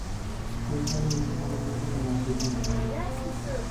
এর ফলে উঁচু ভবনগুলো থেকে লাফ দিতে হতো।